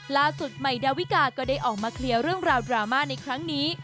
ล่าสุดใหม่ดาวิกาก็ได้ออกมาเคลียร์เรื่องราวดราม่าในครั้งนี้